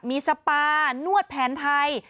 มีสปานวดแผนไทย